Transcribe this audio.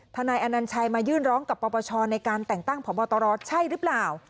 นายอนัญชัยมายื่นร้องกับปปชในการแต่งตั้งพบตรใช่หรือเปล่า